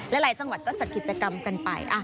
หลายจังหวัดก็จัดกิจกรรมกันไป